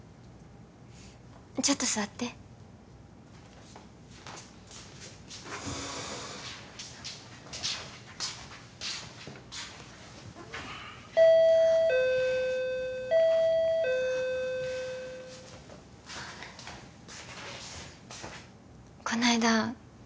ちょっと座ってこないだ